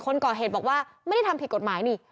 คนก่อเหตุบอกว่าไม่ได้ทำผิดกฎหมายนี่